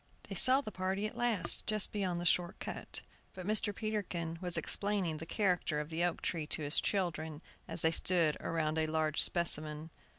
They saw the party at last, just beyond the short cut; but Mr. Peterkin was explaining the character of the oak tree to his children as they stood around a large specimen.